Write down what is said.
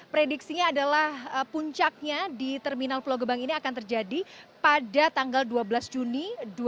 prediksinya adalah puncaknya di terminal pulau gebang ini akan terjadi pada tanggal dua belas juni dua ribu dua puluh